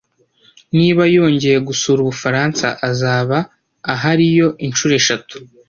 Niba yongeye gusura Ubufaransa, azaba ahariyo inshuro eshatu.